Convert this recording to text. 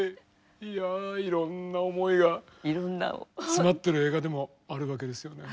いやいろんな思いが詰まっている映画でもあるわけですよね。